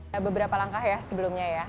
dari beberapa langkah sebelumnya